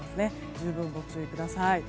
十分ご注意ください。